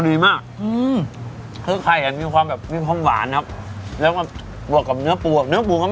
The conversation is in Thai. อุ้ยโอ้โหอุ้ยอุ้ยอุ้ยอุ้ยอุ้ยอุ้ยอุ้ยอุ้ยอุ้ยอุ้ยอุ้ยอุ้ย